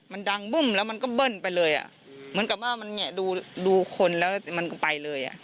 มันดังบึ้มแล้วมันก็เบิ้ลไปเลยอ่ะเหมือนกับว่ามันเนี่ยดูคนแล้วมันก็ไปเลยอ่ะ